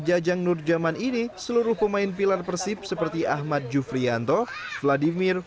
jajang nur zaman ini seluruh pemain pilar persib seperti ahmad jufrianto vladimir